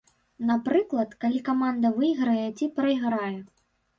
Напрыклад, калі каманда выйграе ці прайграе.